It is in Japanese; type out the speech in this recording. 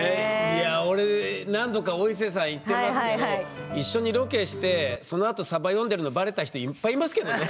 俺何度かお伊勢さん行ってますけど一緒にロケしてそのあとさば読んでるのバレた人いっぱいいますけどね。